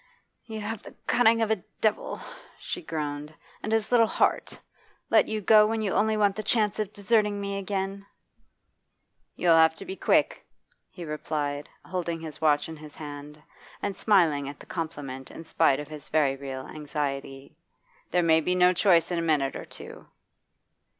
'You have the cunning of a devil,' she groaned, 'and as little heart! Let you go, when you only want the chance of deserting me again!' 'You'll have to be quick,' he replied, holding his watch in his hand, and smiling at the compliment in spite of his very real anxiety. 'There may be no choice in a minute or two.